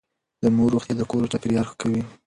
د مور روغتيا د کور چاپېريال ښه کوي.